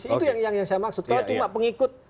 itu yang saya maksud kalau cuma pengikut